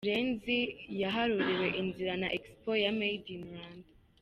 Murenzi yaharuriwe inzira na Expo ya Made in Rwanda.